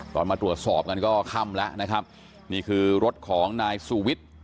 มาตรวจสอบกันก็ค่ำแล้วนะครับนี่คือรถของนายสูวิทย์